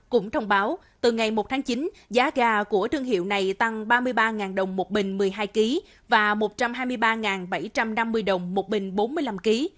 cũng thông báo từ ngày một tháng chín giá gà của thương hiệu này tăng ba mươi ba đồng một bình một mươi hai kg và một trăm hai mươi ba bảy trăm năm mươi đồng một bình bốn mươi năm kg